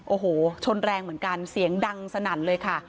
โอ้โหชนแรงเหมือนกันเสียงดังสนั่นเลยค่ะ